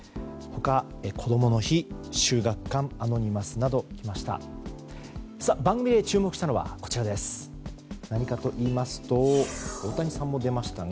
他、こどもの日、秀岳館アノニマスなどありました。